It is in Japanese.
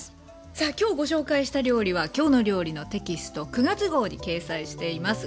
さあ今日ご紹介した料理は「きょうの料理」のテキスト９月号に掲載しています。